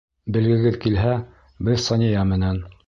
Белгегеҙ килһә, беҙ Сания менән...